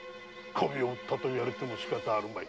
媚を売ったと言われてもしかたあるまい。